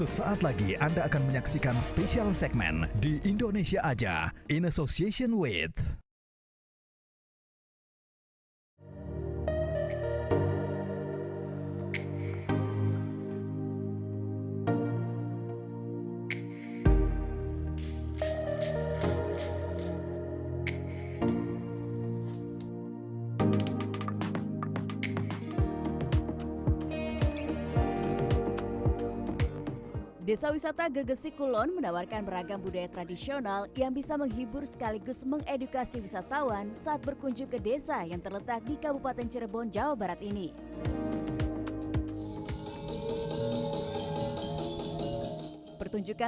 sampai jumpa di video selanjutnya